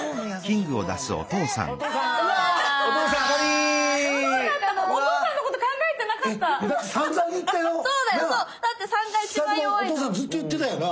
２人ともお父さんずっと言ってたよな？